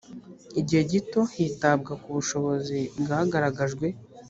igihe gito hitabwa ku bushobozi bwagaragajwe